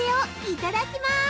◆いただきます。